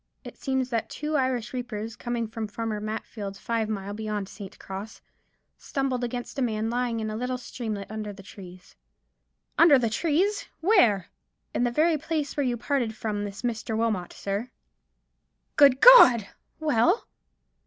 It seems that two Irish reapers, coming from Farmer Matfield's, five mile beyond St. Cross, stumbled against a man lying in a little streamlet under the trees——" "Under the trees! Where?" "In the very place where you parted from this Mr. Wilmot, sir." "Good God! Well?"